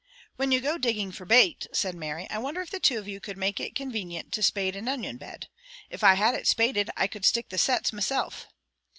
"When you go digging for bait," said Mary, "I wonder if the two of you could make it convanient to spade an onion bed. If I had it spaded I could stick the sets mesilf."